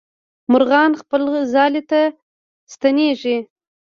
مرغان خپل ځالې ته ستنېږي.